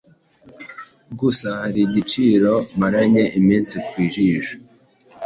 Gusa hari igicuro maranye iminsi ku jisho,